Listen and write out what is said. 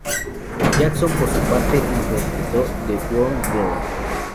Jackson por su parte, interpretó "The Wrong Girl".